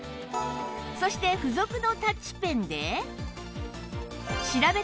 そして付属のタッチペンで